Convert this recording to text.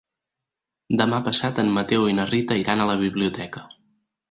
Demà passat en Mateu i na Rita iran a la biblioteca.